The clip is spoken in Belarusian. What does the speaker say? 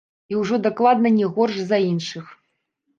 І ўжо дакладна не горш за іншых.